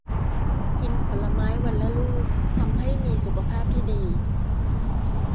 กินผลไม้วันละลูกทำให้มีสุขภาพที่ดี